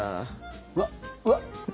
うわっうわっ！